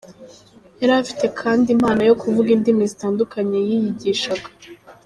Yari afite kandi impano yo kuvuga indimi zitandukanye yiyigishaga.